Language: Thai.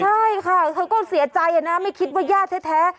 ใช่ค่ะเธอก็เสียใจนะไม่คิดว่าญาติแท้